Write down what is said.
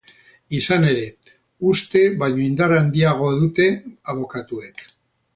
Izan ere, uste baino indar handiagoa dute abokatuek.